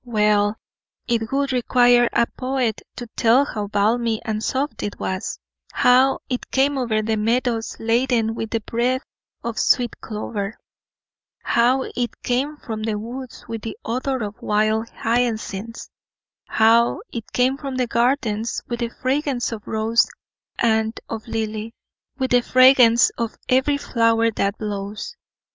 well, it would require a poet to tell how balmy and soft it was how it came over the meadows laden with the breath of sweet clover how it came from the woods with the odor of wild hyacinths how it came from the gardens with the fragrance of rose and of lily, with the fragrance of every flower that blows.